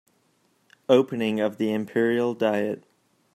Opening of the Imperial diet